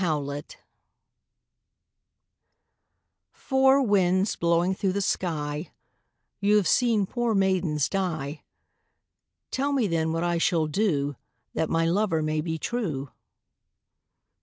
Four Winds "Four winds blowing through the sky, You have seen poor maidens die, Tell me then what I shall do That my lover may be true."